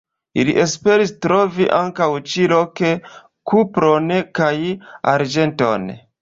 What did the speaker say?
Ili esperis trovi ankaŭ ĉi-loke kupron kaj arĝenton.